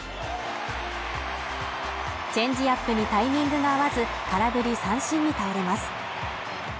チェンジアップにタイミングが合わず空振り三振に倒れます。